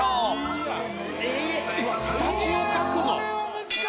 形を描くの？